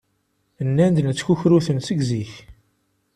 Nnan-d nettkukru-ten seg zik.